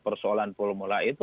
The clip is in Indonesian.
persoalan formula e itu